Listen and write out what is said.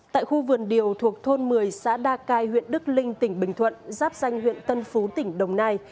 tại khu vườn điều thuộc thôn một mươi xã đa cai huyện đức linh tỉnh bình thuận giáp danh huyện tân phú tỉnh đồng nai